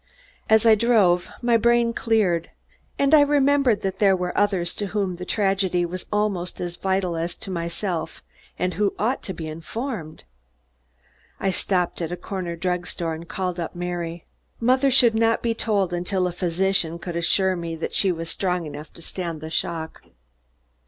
As I drove, my brain cleared and I remembered that there were others to whom the tragedy was almost as vital as to myself and who ought to be informed. I stopped at a corner drug store and called up Mary. Mother should not be told until a physician could assure me she was strong enough to stand the shock.